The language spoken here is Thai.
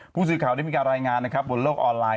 ผู้สื่อข่าวได้มีการรายงานนะครับบนโลกออนไลน